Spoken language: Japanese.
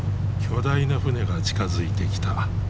巨大な船が近づいてきた。